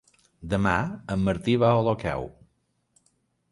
Demà en Martí va a Olocau.